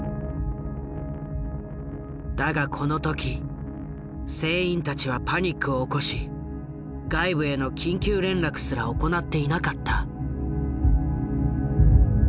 だがこの時船員たちはパニックを起こし外部への緊急連絡すら行っていなかった。